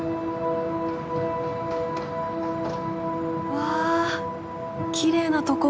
わあきれいなとこ。